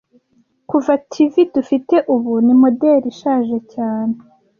kuva TV dufite ubu ni moderi ishaje cyane.